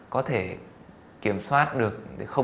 có thể kiểm soát được